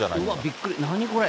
びっくり、何これ。